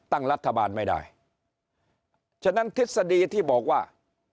ตั้งรัฐบาลไม่ได้ฉะนั้นทฤษฎีที่บอกว่า